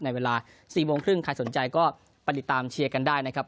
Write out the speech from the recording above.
ในเวลา๔โมงครึ่งใครสนใจก็ไปติดตามเชียร์กันได้นะครับ